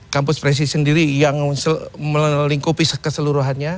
kampus presiden sendiri yang melengkapi keseluruhannya